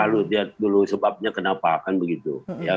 dilihat dulu sebabnya kenapa akan begitu